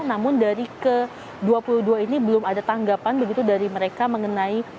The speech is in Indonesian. namun dari ke dua puluh dua ini belum ada tanggapan begitu dari mereka mengenai